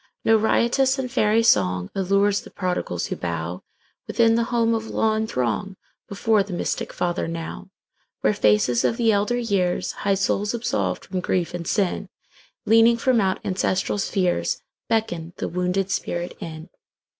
No riotous and fairy songAllures the prodigals who bowWithin the home of law, and throngBefore the mystic Father now, Where faces of the elder years, High souls absolved from grief and sin, Leaning from out ancestral spheresBeckon the wounded spirit in.